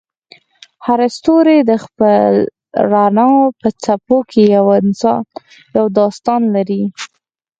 هر ستوری د خپل رڼا په څپو کې یو داستان لري.